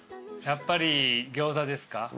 やっぱり餃子ですか？